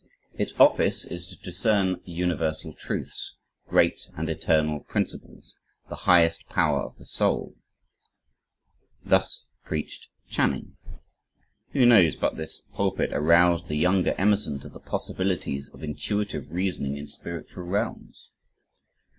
... "Its office is to discern universal truths, great and eternal principles ... the highest power of the soul." Thus preached Channing. Who knows but this pulpit aroused the younger Emerson to the possibilities of intuitive reasoning in spiritual realms?